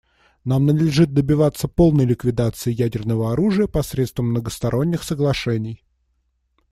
Нам надлежит добиваться полной ликвидации ядерного оружия посредством многосторонних соглашений.